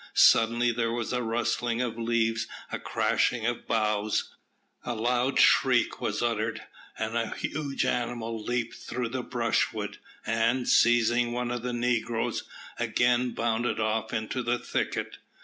Suddenly there was a rustling of leaves, a crashing of boughs. A loud shriek was uttered, and a huge animal leaped through the brushwood, and, seizing one of the negroes, again bounded off into the thicket.